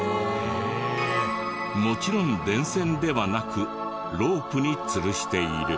もちろん電線ではなくロープに吊るしている。